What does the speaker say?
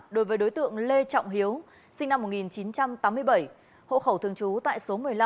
đối với đối tượng lê trọng hiếu sinh năm một nghìn chín trăm tám mươi bảy hộ khẩu thường trú tại số một mươi năm